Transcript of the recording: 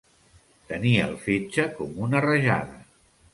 Tenir el fetge com una rajada.